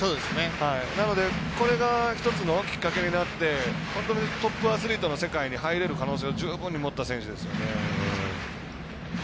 なので、これが１つのきっかけになって本当にトップアスリートの世界に入れる可能性を十分に持った選手ですよね。